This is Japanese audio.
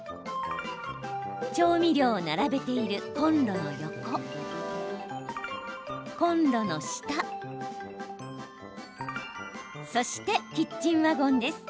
調味料を並べているコンロの横コンロの下そして、キッチンワゴンです。